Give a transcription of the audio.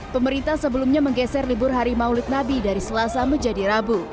pemerintah sebelumnya menggeser libur hari maulid nabi dari selasa menjadi rabu